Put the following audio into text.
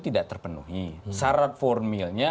tidak terpenuhi sarat formilnya